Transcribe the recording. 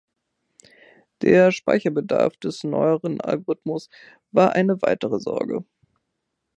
Der Speicherbedarf des neueren Algorithmus war eine weitere Sorge.